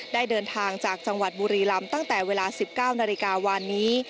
ได้เดินทางจากจังหวัดบุรีลำตั้งแต่เวลา๑๙นาฬิกาวานนี้